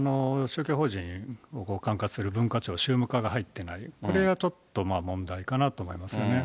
宗教法人を管轄する文化庁、宗務課が入っていない、これはちょっと問題かなと思いますよね。